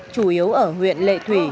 chủ yếu ở huyện lệ thủy